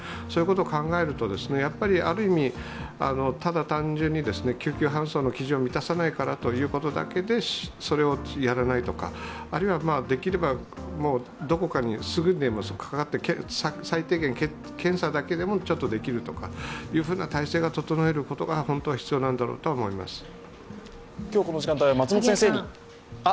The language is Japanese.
そういうことを考えると、ただ単純に救急搬送の基準を満たさないからというだけでそれをやらないとか、あるいは、できればどこかにすぐにでもかかって、最低限検査だけでもちょっとできるという体制を整えることが本当は必要なんだろうと思います。